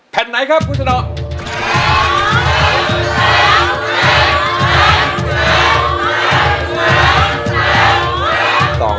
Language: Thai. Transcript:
แผ่นไหนครับคุณชนะ